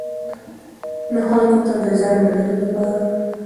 نه خلکو ته د ځان منلو لپاره.